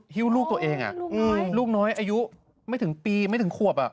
ฮิ้วลูกตัวเองลูกน้อยอายุไม่ถึงปีไม่ถึงขวบ